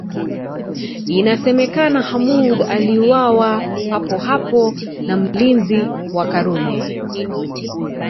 Inasemekana Hamoud aliuawa papo hapo na mlinzi wa Karume